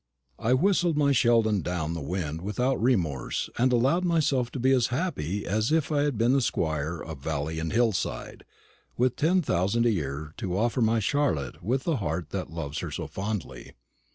I whistled my Sheldon down the wind without remorse, and allowed myself to be as happy as if I had been the squire of valley and hillside, with ten thousand a year to offer my Charlotte with the heart that loves her so fondly.